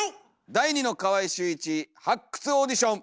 「第二の川合俊一発掘オーディション」！